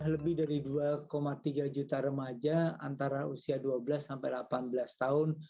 lebih dari dua tiga juta remaja antara usia dua belas sampai delapan belas tahun